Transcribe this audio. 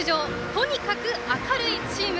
とにかく明るいチーム。